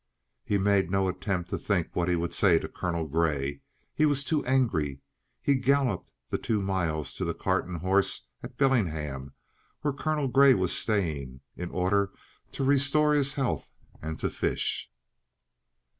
He made no attempt to think what he would say to Colonel Grey. He was too angry. He galloped the two miles to the "Cart and Horses" at Bellingham, where Colonel Grey was staying, in order to restore his health and to fish.